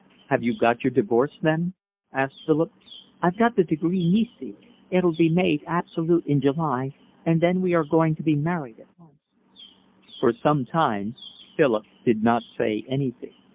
"Have you got your divorce then?" asked Philip. "I've got the decree nisi. It'll be made absolute in July, and then we are going to be married at once." For some time Philip did not say anything.